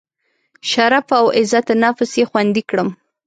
شرف او عزت نفس یې خوندي کړم.